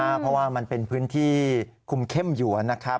เพราะว่ามันเป็นพื้นที่คุมเข้มอยู่นะครับ